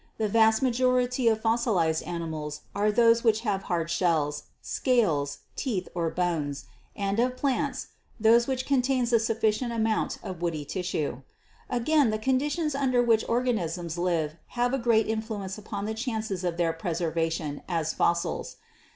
The vast majority of fossilized animals are those which have hard shells, scales, teeth or bones; and of plants, those which contains a sufficient amount of woody tissue. Again, the conditions under which organisms live have a great influence upon the chances of their preservation as fossils.